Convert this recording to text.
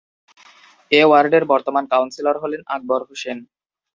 এ ওয়ার্ডের বর্তমান কাউন্সিলর হলেন আকবর হোসেন।